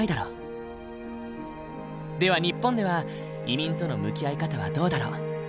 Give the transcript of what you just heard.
では日本では移民との向き合い方はどうだろう？